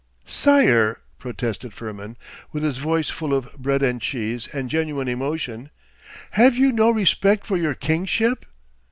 'Sire,' protested Firmin, with his voice full of bread and cheese and genuine emotion, 'have you no respect for your kingship?